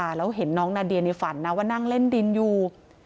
แล้วเห็นน้องนาเดียในฝันนะว่านั่งเล่นดินอยู่